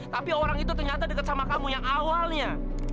tapi orang itu ternyata dekat sama kamu yang awalnya